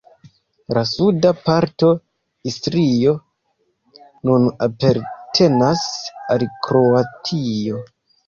La suda parto Istrio nun apartenas al Kroatio.